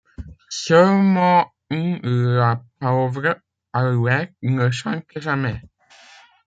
Seulement la pauvre alouette ne chantait jamais.